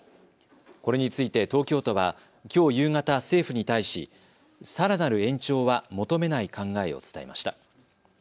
これについて東京都はきょう夕方、政府に対しさらなる延長は求めない考えを伝えました。